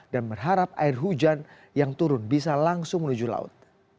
dan berharap air hujan yang turun bisa langsung menuju laut